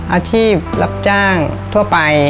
อาชีพรับจ้างทั่วไป